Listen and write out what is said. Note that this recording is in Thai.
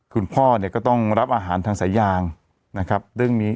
คุณพ่อเนี่ยก็ต้องรับอาหารทางสายยางนะครับเรื่องนี้